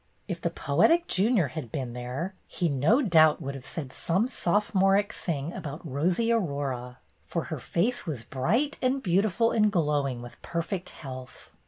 If the poetic Junior had been there he, no doubt, would have said some sophomoric thing about "rosy Aurora," for her face was YOUNG MR. MINTURNE I2I bright and beautiful and glowing with perfect health.